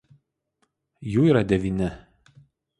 Jų yra devyni.